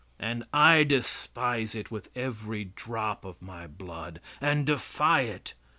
And I despise it with every drop of my blood and defy it.